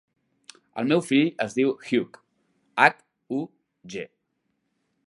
El meu fill es diu Hug: hac, u, ge.